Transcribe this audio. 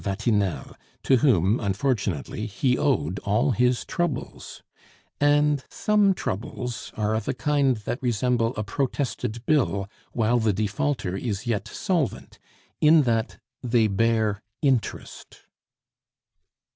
Vatinelle, to whom, unfortunately, he owed all his troubles and some troubles are of a kind that resemble a protested bill while the defaulter is yet solvent, in that they bear interest.